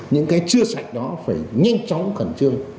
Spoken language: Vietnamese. những cái chưa sạch đó phải nhanh chóng khẩn trương